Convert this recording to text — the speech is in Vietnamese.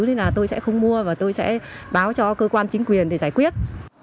nên là tôi sẽ không mua và tôi sẽ báo cho cơ quan chính quyền để giải quyết